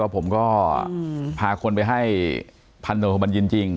ผมก็พาคนไปให้พันโทบัญญินจริง